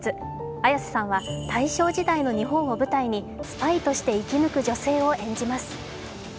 綾瀬さんは大正時代の日本を舞台にスパイとして生き抜く女性を演じます。